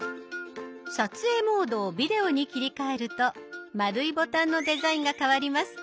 撮影モードを「ビデオ」に切り替えると丸いボタンのデザインが変わります。